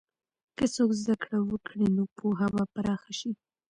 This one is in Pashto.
که څوک زده کړه وکړي، نو پوهه به پراخه شي.